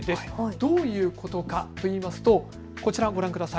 どういうことかといいますとこちらをご覧ください。